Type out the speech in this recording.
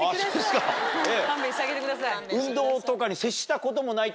勘弁してあげてください。